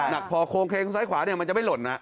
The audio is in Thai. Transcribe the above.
หนักพอโครงเคลงซ้ายขวาเนี่ยมันจะไม่หล่นนะ